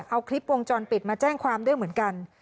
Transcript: เอาคลิปวงจรปิดมาแจ้งความด้วยเหมือนกัน